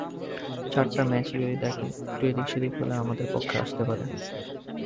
চারটা ম্যাচই যদি দেখেন, একটু এদিক-সেদিক হলেই আমাদের পক্ষে আসতে পারত।